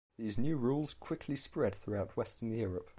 These new rules quickly spread throughout western Europe.